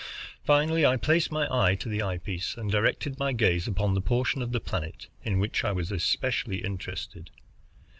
Finally, I placed my eye to the eye piece, and directed my gaze upon the portion of the planet in which I was especially interested.